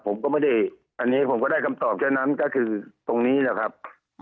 ผมก็ไม่ได้อันนี้ผมก็ได้คำตอบเท่านั้นก็คือตรงนี้แหละครับ